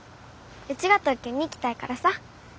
うちが東京に行きたいからさ。